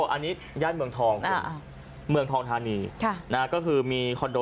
อันนี้ย่านเมืองทองเมืองทองธานีก็คือมีคอนโด